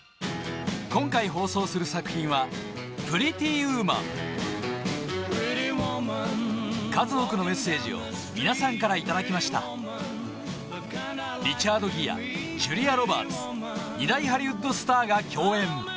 今回放送する作品は数多くのメッセージを皆さんからいただきましたリチャード・ギアジュリア・ロバーツ二大ハリウッドスターが共演